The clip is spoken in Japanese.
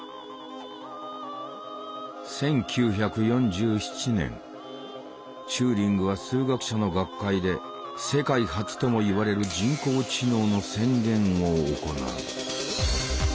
１９４７年チューリングは数学者の学会で世界初とも言われる人工知能の宣言を行う。